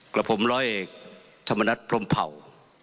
กระผมร้อยเอกธรรมนัฐพงภาว